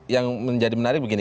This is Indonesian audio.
yang menjadi menarik begini